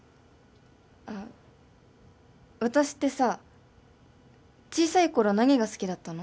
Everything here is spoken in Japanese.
あっ私ってさ小さい頃何が好きだったの？